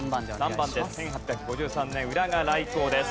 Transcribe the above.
１８５３年浦賀来航です。